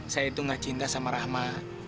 saya tuh gak cinta sama rahmat